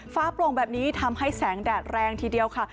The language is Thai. โปร่งแบบนี้ทำให้แสงแดดแรงทีเดียวค่ะ